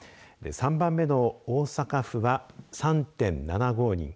３番目の大阪府は３．７５人。